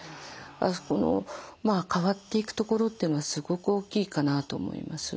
この変わっていくところっていうのはすごく大きいかなと思います。